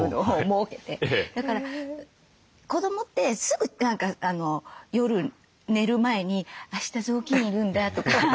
だから子どもってすぐ何か夜寝る前に「あした雑巾要るんだ」とか。